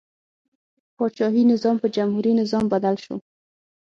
پاچاهي نظام په جمهوري نظام بدل شو.